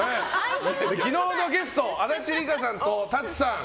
昨日のゲスト足立梨花さんとＴＡＴＳＵさん。